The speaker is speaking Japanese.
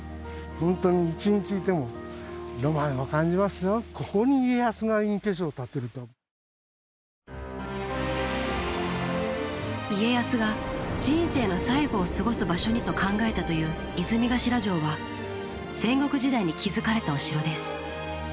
本当に一日いても家康が人生の最後を過ごす場所にと考えたという泉頭城は戦国時代に築かれたお城です。